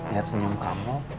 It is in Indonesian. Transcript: lihat senyum kamu